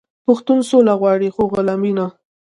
پښتون سوله غواړي خو غلامي نه.